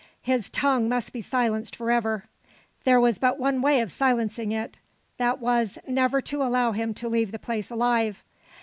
His tongue must be silenced forever. There was but one way of silencing it. That was, never to allow him to leave the place alive.